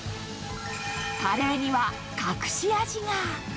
カレーには隠し味が。